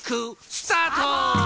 スタート！